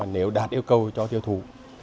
nếu đạt yêu cầu cho tiêu thủ